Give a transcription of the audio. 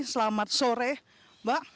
selamat sore mbak